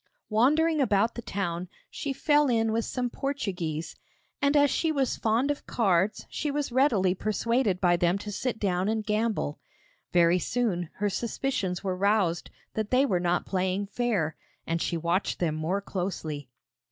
Wandering about the town, she fell in with some Portuguese, and as she was fond of cards she was readily persuaded by them to sit down and gamble. Very soon, her suspicions were roused that they were not playing fair, and she watched them more closely.